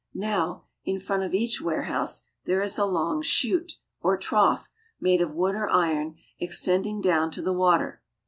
Now, in front of each warehouse, there is a long chute, or trough, made of wood or iron, extending down to the water.